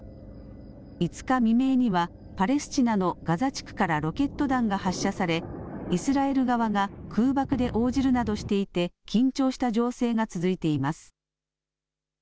５日未明には、パレスチナのガザ地区からロケット弾が発射され、イスラエル側が空爆で応じるなどしていて、緊張した情勢が続いています。